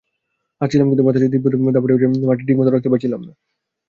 হাঁটছিলাম কিন্তু বাতাসের তীব্র দাপটে পা মাটিতে ঠিকমত রাখতে পারছিলাম না।